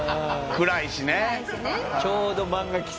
暗いしね。